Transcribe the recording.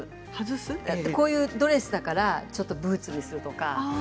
こういうドレスだからブーツにするとか。